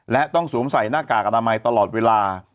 และต้องสวมใส่หน้ากากอนามัยตลอดเวลา